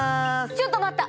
ちょっと待った！